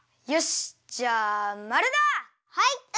よし！じゃあ○だ！はい。